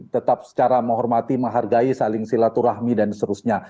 tetap secara menghormati menghargai saling silaturahmi dan seterusnya